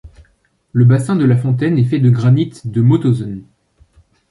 Le bassin de la fontaine est fait de granit de Mauthausen.